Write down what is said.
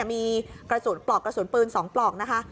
มีกระสุนปลอกกระสุนปืน๒ปลอกนะคะ